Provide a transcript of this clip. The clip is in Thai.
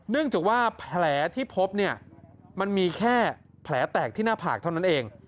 จากว่าแผลที่พบเนี่ยมันมีแค่แผลแตกที่หน้าผากเท่านั้นเอง